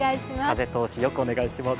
風通しよくお願いします。